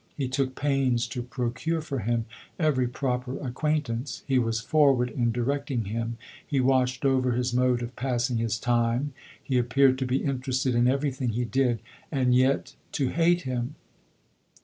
He took pains to pro cure for him every proper acquaintance ; he was forward in directing him ; he watched over his mode of passing his time, he appeared to be interested in every thing he did, and yet to hate him.